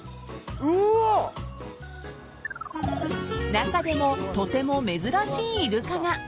［中でもとても珍しいイルカが］